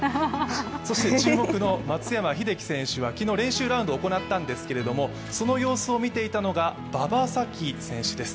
そして注目の松山英樹選手は昨日練習ラウンドを行ったんですが、その様子を見ていたのが馬場咲希選手です。